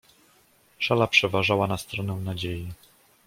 "Szala przeważała na stronę nadziei."